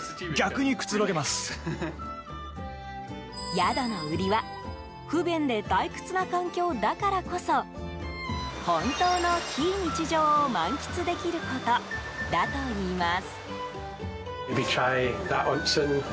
宿の売りは、不便で退屈な環境だからこそ本当の非日常を満喫できることだといいます。